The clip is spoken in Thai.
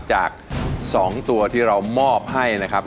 จาก๒ตัวที่เรามอบให้นะครับ